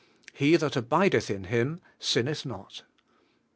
He that abideth in Him sinneth not.'